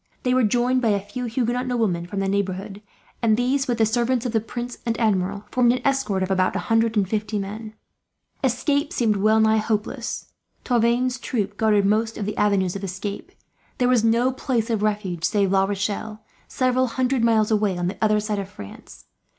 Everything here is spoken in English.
They were joined by a few Huguenot noblemen from the neighbourhood; and these, with the servants of the prince and Admiral, formed an escort of about a hundred and fifty horse. Escape seemed well nigh hopeless. Tavannes' troops guarded most of the avenues of escape. There was no place of refuge save La Rochelle, several hundred miles away, on the other side of France.